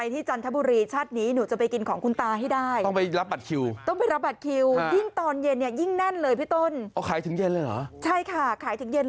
ตอนนี้ต้องกินให้ได้นะลูก